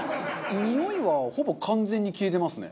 においはほぼ完全に消えてますね。